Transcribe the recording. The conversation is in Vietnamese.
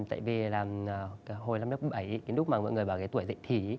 tại vì là hồi năm lớp bảy lúc mà mọi người bảo cái tuổi dạy thí